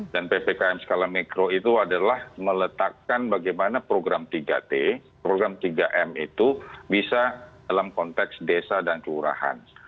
dan ppkm skala mikro itu adalah meletakkan bagaimana program tiga t program tiga m itu bisa dalam konteks desa dan keurahan